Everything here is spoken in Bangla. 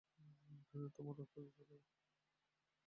তোমার রক্ত ঝরছে, ভায়া।